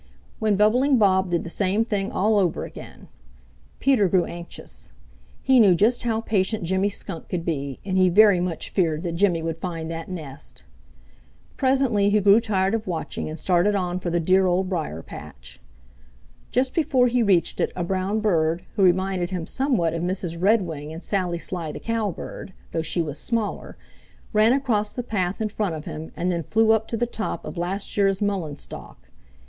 When Bubbling Bob did the same thing all over again. Peter grew anxious. He knew just how patient Jimmy Skunk could be, and he very much feared that Jimmy would find that nest. Presently he grew tired of watching and started on for the dear Old Briar patch. Just before he reached it a brown bird, who reminded him somewhat of Mrs. Redwing and Sally Sly the Cowbird, though she was smaller, ran across the path in front of him and then flew up to the top of a last year's mullein stalk.